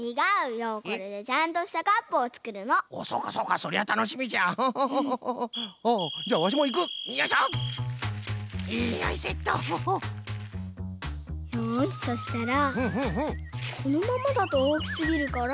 よしそしたらこのままだとおおきすぎるから。